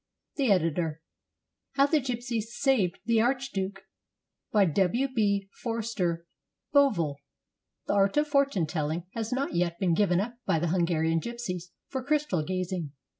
« The Editor.] HOW THE GYPSIES SAVED THE ARCHDUKE BY W. B. FORSTER BOVILL The art of fortune telling has not yet been given up by the Hungarian gypsies for crystal gazing.